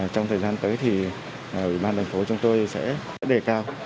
trong thời gian tới thì ủy ban thành phố chúng tôi sẽ đề cao